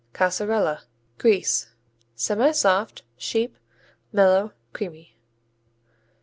Caseralla Greece Semisoft; sheep; mellow; creamy.